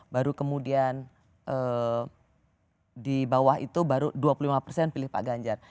baru kemudian di bawah itu baru dua puluh lima persen pilih pak ganjar